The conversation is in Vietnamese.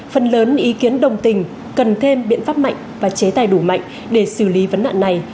phần lớn ý kiến đồng tình cần thêm biện pháp mạnh và chế tài đủ mạnh để xử lý vấn nạn này